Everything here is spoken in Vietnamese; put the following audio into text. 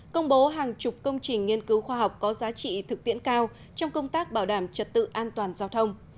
công bố hàng chục công trình nghiên cứu khoa học có giá trị thực tiễn cao trong công tác bảo đảm trật tự an toàn giao thông